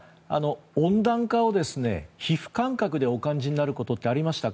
温暖化を皮膚感覚でお感じになることってありましたか？